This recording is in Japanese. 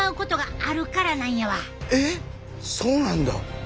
えっそうなんだ！